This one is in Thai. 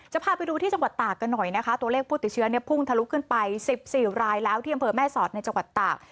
พาไปดูที่จังหวัดตากกันหน่อยนะคะตัวเลขผู้ติดเชื้อเนี่ยพุ่งทะลุขึ้นไป๑๔รายแล้วที่อำเภอแม่สอดในจังหวัดตาก